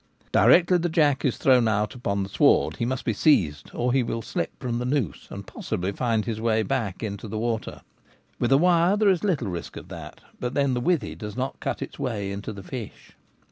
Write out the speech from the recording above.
Directly the jack is thrown out upon the sward he must be seized, or 1 86 The Gamekeeper at Home. he will slip from the noose, and possibly find his way back again into the water. With a wire there is little risk of that ; but then the withy does not cut its way into the fish.